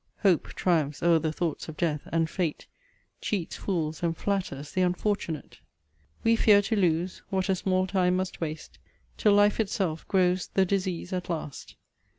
| HOPE triumphs o'er the thoughts of death; and FATE Cheats fools, and flatters the unfortunate. We fear to lose, what a small time must waste, Till life itself grows the disease at last.